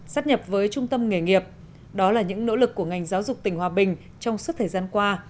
sát nhập với trung tâm nghề nghiệp đó là những nỗ lực của ngành giáo dục tỉnh hòa bình trong suốt thời gian qua